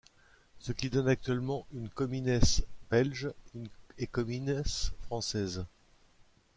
Ce qui donne actuellement une Comines belge et Comines française.